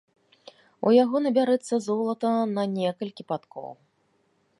У яго набярэцца золата на некалькі падкоў.